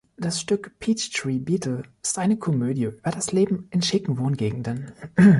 Das Stück „Peachtree Beetle“ ist eine Komödie über das Leben in schicken Wohngegenden.